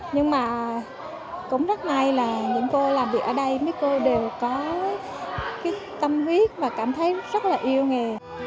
nhưng mà cũng rất may là những cô làm việc ở đây mấy cô đều có cái tâm huyết và cảm thấy rất là yêu nghề